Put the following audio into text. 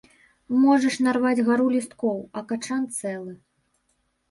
Можаш нарваць гару лісткоў, а качан цэлы.